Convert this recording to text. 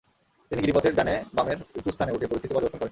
তিনি গিরিপথের ডানে-বামের উঁচু স্থানে উঠে পরিস্থিতি পর্যবেক্ষণ করেন।